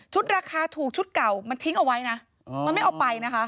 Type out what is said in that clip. ราคาถูกชุดเก่ามันทิ้งเอาไว้นะมันไม่เอาไปนะคะ